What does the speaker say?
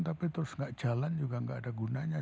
tapi terus nggak jalan juga nggak ada gunanya